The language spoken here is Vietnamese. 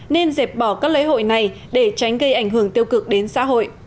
nên dẹp bỏ các lễ hội này để tránh gây ảnh hưởng tiêu cực đến xã hội